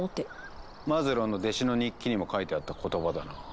マズローの弟子の日記にも書いてあった言葉だな。